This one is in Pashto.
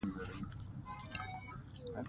دا مفهوم دیني روایتونو مرسته مطرح شو